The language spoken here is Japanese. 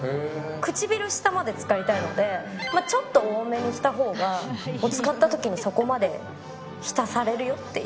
唇下までつかりたいので、ちょっと多めにしたほうが、つかったときにそこまでひたされるよっていう。